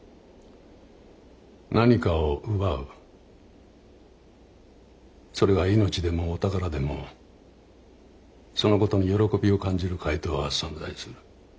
何かを奪うそれが命でもお宝でもそのことに喜びを感じる怪盗は存在する。